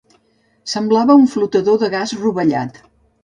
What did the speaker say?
Semblava un flotador de gas rovellat.